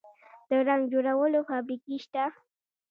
د رنګ جوړولو فابریکې شته؟